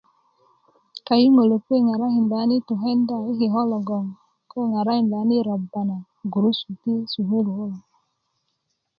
kayuŋölök kuwe ŋarakinda nan i tu i kenda i koko logon ko ŋarakinda nan i roba na gurusu ti sukulu kune